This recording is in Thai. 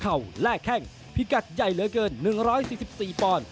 แลกแข้งพิกัดใหญ่เหลือเกิน๑๔๔ปอนด์